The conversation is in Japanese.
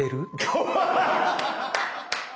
怖い！